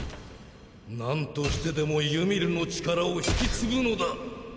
何としてでもユミルの力を引き継ぐのだ！